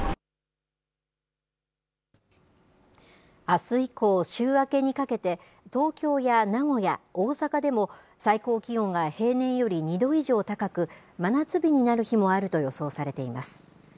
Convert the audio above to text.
あす以降、週明けにかけて、東京や名古屋、大阪でも、最高気温が平年より２度以上高く、真夏日になる日もあると予想されています。